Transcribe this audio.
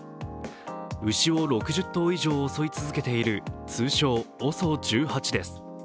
牛を６０頭以上襲い続けている通称・ＯＳＯ１８です。